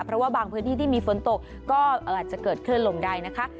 เพราะว่าบางพื้นที่ที่มีฝนตกก็อาจจะเกิดคลื่นลมได้นะคะ